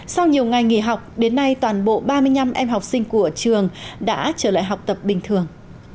sau nhiều ngày nghỉ học đến nay toàn bộ ba mươi năm em học sinh của trường đã trở lại học tập bình thường